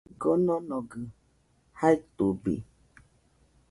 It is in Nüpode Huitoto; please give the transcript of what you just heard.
Kononogɨ jaitubi